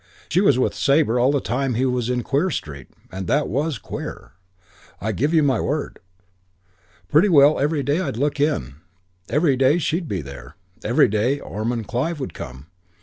She was with Sabre all the time he was in Queer Street and it was queer, I give you my word. Pretty well every day I'd look in. Every day she'd be there. Every day Ormond Clive would come.